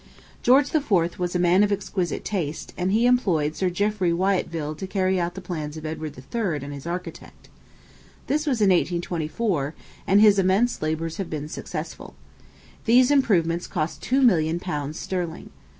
George IV. was a man of exquisite taste, and he employed Sir Jeffry Wyatville to carry out the plans of Edward III. and his architect. This was in 1824, and his immense labors have been successful. These improvements cost two million pounds sterling.